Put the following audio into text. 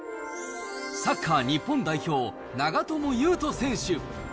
サッカー日本代表、長友佑都選手。